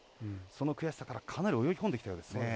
その悔しさからかなり泳ぎこんできたようですね。